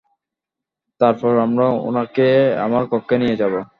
তারপর আমরা উনাকে আমার কক্ষে নিয়ে যাব।